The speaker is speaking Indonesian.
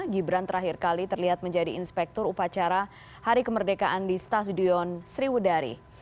gibran terakhir kali terlihat menjadi inspektur upacara hari kemerdekaan di stasiun sriwudari